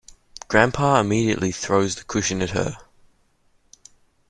Grandfather immediately throws the cushion at her.